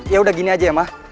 ya udah gini aja ya mah